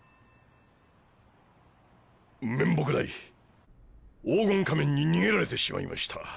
面目ない黄金仮面に逃げられてしまいました。